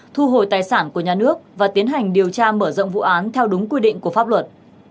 thu hồi tài sản của nhà nước và tiến hành điều tra mở rộng vụ án theo đúng quy định của pháp luật